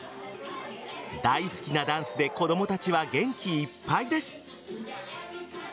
大好きなダンスで子供たちは元気いっぱいです。